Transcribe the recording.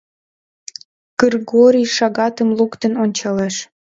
Кыргорий шагатым луктын ончалеш.